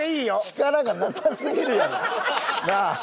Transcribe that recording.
力がなさすぎるやろ。なあ？